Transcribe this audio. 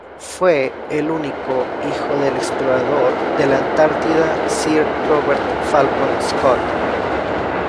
Fue el único hijo del explorador de la Antártida Sir Robert Falcon Scott.